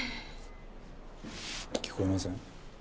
聞こえません？